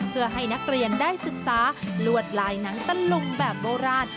เพื่อให้นักเรียนได้ศึกษาลวดลายหนังตะลุงแบบโบราณ